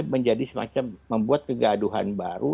menjadi semacam membuat kegaduhan baru